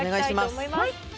お願いします。